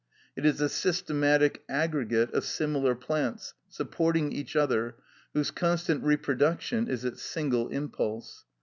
It is a systematic aggregate of similar plants supporting each other, whose constant reproduction is its single impulse.